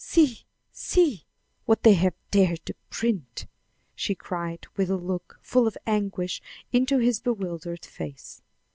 "See! see! what they have dared to print!" she cried, with a look, full of anguish, into his bewildered face.